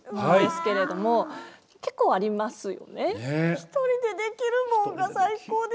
「ひとりでできるもん！」が最高でしたね。